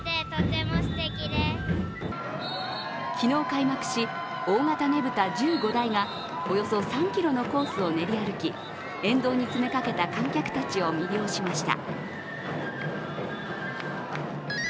昨日開幕し、大型ねぶた１５台がおよそ３ｋｍのコースを練り歩き、沿道に詰めかけた観客たちを魅了しました。